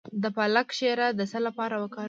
د پالک شیره د څه لپاره وکاروم؟